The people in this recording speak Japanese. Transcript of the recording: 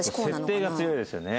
設定が強いですよね。